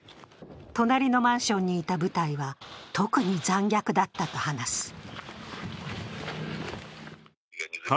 隣のマンションにいた部隊は特に残虐だったと話す。